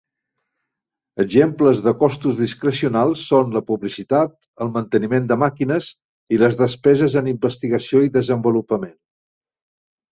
Exemples de costos discrecionals són la publicitat, el manteniment de màquines i les despeses en investigació i desenvolupament.